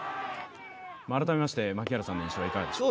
改めまして槙原さんの印象はどうでしょう？